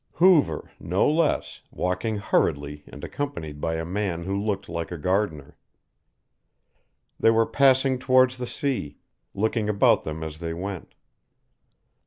Hoover, no less, walking hurriedly and accompanied by a man who looked like a gardener. They were passing towards the sea, looking about them as they went.